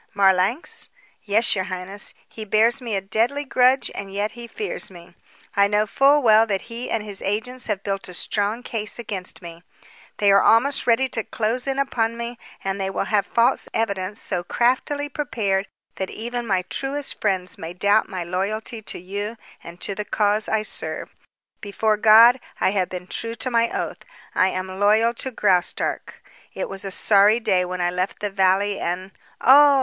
"Marlanx?" "Yes, your highness. He bears me a deadly grudge and yet he fears me. I know full well that he and his agents have built a strong case against me. They are almost ready to close in upon me, and they will have false evidence so craftily prepared that even my truest friends may doubt my loyalty to you and to the cause I serve. Before God, I have been true to my oath. I am loyal to Graustark. It was a sorry day when I left the valley and " "Oh!"